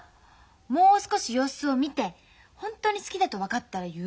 もう少し様子を見てホントに好きだと分かったら言う。